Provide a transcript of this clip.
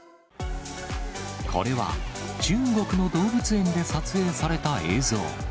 これは、中国の動物園で撮影された映像。